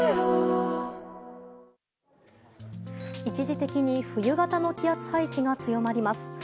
一時的に冬型の気圧配置が強まります。